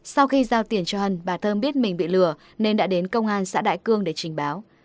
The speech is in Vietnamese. sau khi giao tiền cho hân bà thơm biết mình bị lừa nên đã đến công an xã đại cương để trình báo